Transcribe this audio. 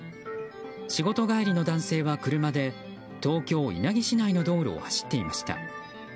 仕事帰りの男性は車で東京・稲城市内の道路を走っていました。